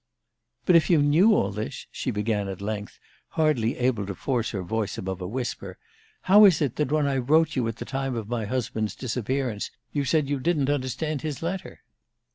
"But if you knew all this," she began at length, hardly able to force her voice above a whisper, "how is it that when I wrote you at the time of my husband's disappearance you said you didn't understand his letter?"